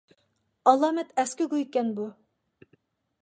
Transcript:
ئالامەت ئەسكى گۇيكەن بۇ.